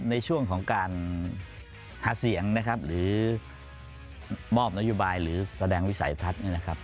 ในช่วงของการหาเสียงหรือมอบนโยบายหรือแสดงวิสัยทัศน์